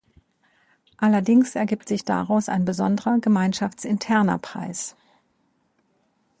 Allerdings ergibt sich daraus ein besonderer gemeinschaftsinterner Preis.